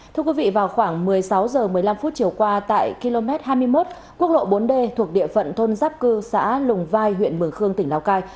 thưa quý vị vào khoảng một mươi sáu h một mươi năm chiều qua tại km hai mươi một quốc lộ bốn d thuộc địa phận thôn giáp cư xã lùng vai huyện mường khương tỉnh lào cai